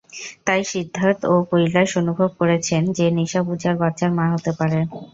তাই সিদ্ধার্থ ও কৈলাস অনুভব করেছেন যে নিশা পূজার বাচ্চার মা হতে পারে।